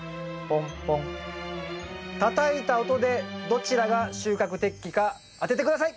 たたいた音でどちらが収穫適期か当てて下さい！